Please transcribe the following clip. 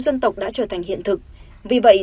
dân tộc đã trở thành hiện thực vì vậy